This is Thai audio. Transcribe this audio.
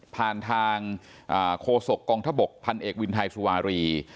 ทางโคศกกองทบกพันเอกวินไทยสุวารี